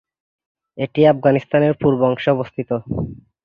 এটি আফগানিস্তানের পূর্ব অংশে অবস্থিত।